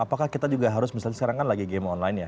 apakah kita juga harus misalnya sekarang kan lagi game online ya